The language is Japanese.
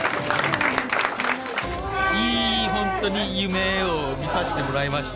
いい、本当に夢を見させてもらいました。